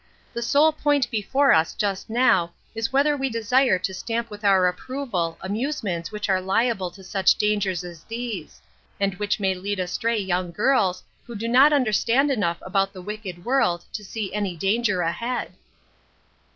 The sole point before us just now is whether we desire to stamp with our approval amusements which are liable to such dangers as these, and which may lead astray young girls who do not understand enough about the wicked world to see any danger ahead."